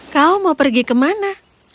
kau mau pergi kemana